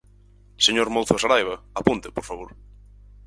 Señor Mouzo Saraiba, apunte, por favor.